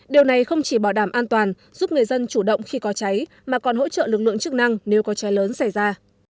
điều này không chỉ bảo đảm an toàn giúp người dân chủ động khi có cháy mà còn hỗ trợ lực lượng chức năng nếu có cháy lớn xảy ra